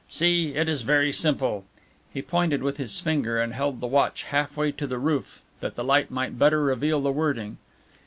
See, it is very simple!" He pointed with his finger and held the watch half way to the roof that the light might better reveal the wording.